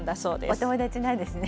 お友達なんですね。